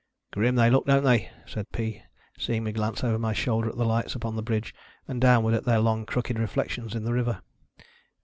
"Grim they look, don't they?" said Pea. seeing me glance over my shoulder at the lights upon the bridge, and downward at their long crooked reflections in the river.